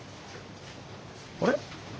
あれ？